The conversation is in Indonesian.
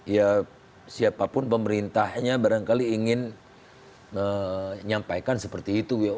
ya siapapun pemerintahnya barangkali ingin menyampaikan seperti itu